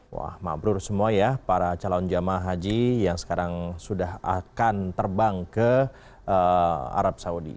wah mabrur semua ya para calon jemaah haji yang sekarang sudah akan terbang ke arab saudi